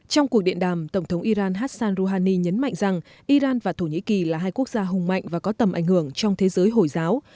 trong cuộc điện đàm tổng thống iran hassan rouhani nhấn mạnh rằng iran và thổ nhĩ kỳ là hai quốc gia hùng mạnh và có tầm ảnh hưởng trong thế giới hồi giáo